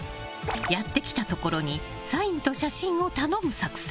やってきたところにサインと写真を頼む作戦。